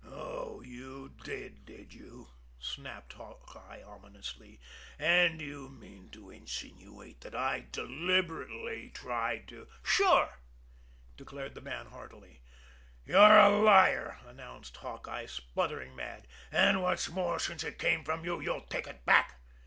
"Oh, you did, did you!" snapped Hawkeye ominously. "And you mean to insinuate that I deliberately tried to " "Sure!" declared the man heartily. "You're a liar!" announced Hawkeye, spluttering mad. "And what's more, since it came from you, you'll take it back!"